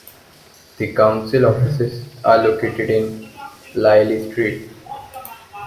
The council offices are located in Lyle Street.